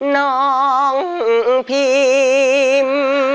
น้องพิม